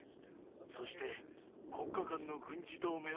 そして国家間の軍事同盟を生みます。